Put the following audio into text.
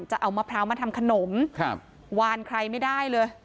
จะเอามะพร้าวมาทำขนมวานใครไม่ได้เลย